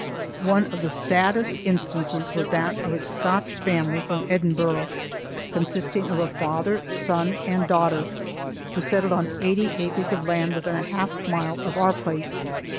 One of the saddest instances was that of a Scotch family from Edinburgh, consisting of a father, son, and daughter, who settled on eighty acres of land within half a mile of our place.